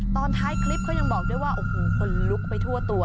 ตอนท้ายคลิปเขายังบอกด้วยว่าโอ้โหคนลุกไปทั่วตัว